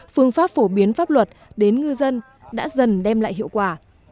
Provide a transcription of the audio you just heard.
phương pháp phổ biến pháp luật đến ngư dân đã dần đem lại hiệu quả